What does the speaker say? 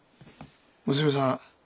娘さん